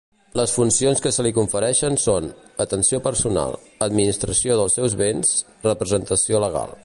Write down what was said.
Les funcions que se li confereixen són: atenció personal, administració dels seus béns, representació legal.